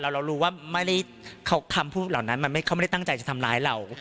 เรารู้ว่าคำพูดเหล่านั้นเขาไม่ได้ตั้งใจจะทำร้ายเรา